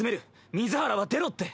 水原は出ろって。